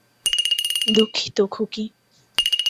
দুঃখিত, খুকী।